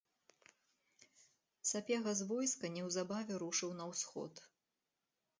Сапега з войска неўзабаве рушыў на ўсход.